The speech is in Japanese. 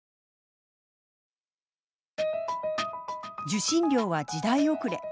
「受信料は時代遅れ」